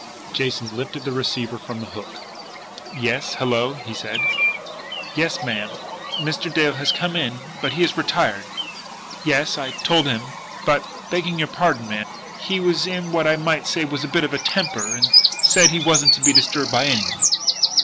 Jason lifted the receiver from the hook. "Yes hello!" he said. "Yes, ma'am, Mr. Dale has come in, but he has retired. ... Yes, I told him; but, begging your pardon, ma'am, he was in what I might say was a bit of a temper, and said he wasn't to be disturbed by any one."